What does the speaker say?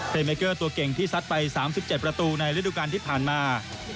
เป็นเมเกอร์ตัวเก่งที่ซัดไป๓๗ประตูในฤดูการที่ผ่านมา